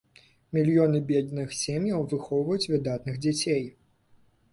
Мільёны бедных сем'яў выхоўваюць выдатных дзяцей.